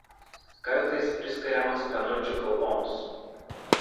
Kartais priskiriamos penučių kalboms.